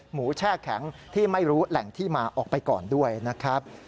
แช่แข็งที่ไม่รู้แหล่งที่มาออกไปก่อนด้วยนะครับ